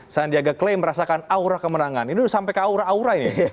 sandiaga klaim merasakan aura kemenangan ini sampai ke aura aura ini